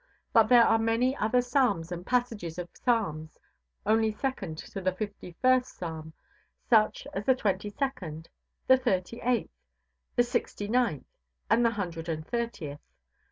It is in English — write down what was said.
But there are many other psalms and passages of psalms only second to the fifty first Psalm, such as the twenty second, the thirty eighth, the sixty ninth, and the hundred and thirtieth.